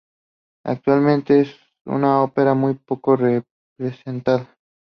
Actualmente es una ópera muy poco representada.